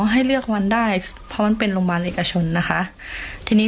ให้เลือกวันได้เพราะมันเป็นโรงพยาบาลเอกชนนะคะทีนี้